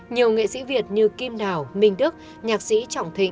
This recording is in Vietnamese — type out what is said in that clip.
nhiều nghệ sĩ việt như kim đào minh đức nhạc sĩ trọng thịnh